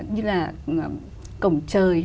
như là cổng trời